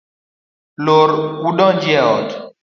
Lor u donji e ot.